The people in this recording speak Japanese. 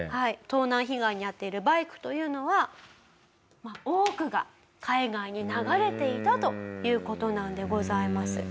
盗難被害に遭っているバイクというのは多くが海外に流れていたという事なんでございます。